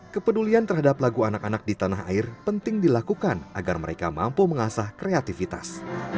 kepedulian terhadap lagu anak anak di tanah air penting dilakukan agar mereka mampu mengasah kreativitas